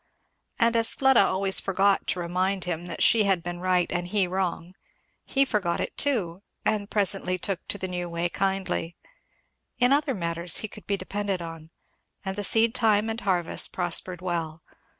And as Fleda always forgot to remind him that she had been right and he wrong, he forgot it too, and presently took to the new way kindly. In other matters he could be depended on, and the seed time and harvest prospered well.